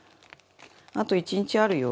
あと１日あるよ。